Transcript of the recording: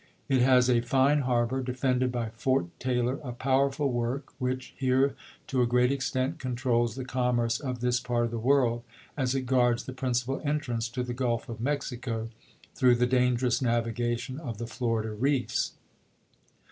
It has a fine harbor, defended by Fort Taylor, a powerful work, which here to a great extent controls the commerce of this part of the world, as it guards the principal entrance to the Gulf of Mexico through the dangerous navi gation of the Florida reefs.